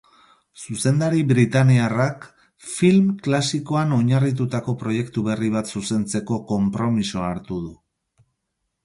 Zuzendari britainiarrak film klasikoan oinarritutako proiektu berri bat zuzentzeko konpromisoa hartu du.